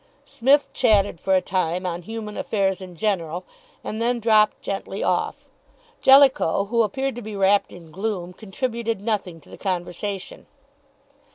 Psmith chatted for a time on human affairs in general, and then dropped gently off. Jellicoe, who appeared to be wrapped in gloom, contributed nothing to the conversation.